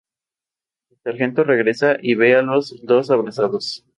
El sargento regresa, y ve a los dos abrazados.